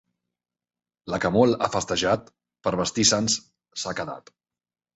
La que molt ha festejat, per vestir sants s'ha quedat.